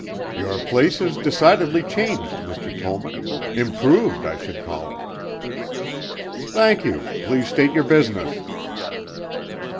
"Your place is decidedly changed, Mr. Tollman. Improved I should call it." "Thank you. Please state your business."